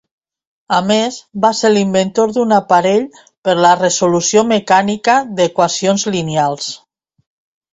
A més va ser l'inventor d'un aparell per a la resolució mecànica d'equacions lineals.